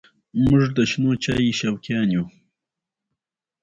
د شخړو د حل میکانیزمونه رامنځته شوي دي